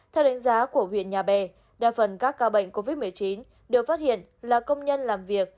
theo đánh giá của huyện nhà bè đa phần các ca bệnh covid một mươi chín đều phát hiện là công nhân làm việc